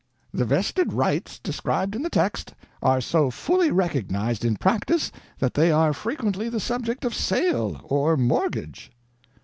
"The vested rights described in the text are so fully recognized in practice that they are frequently the subject of sale or mortgage."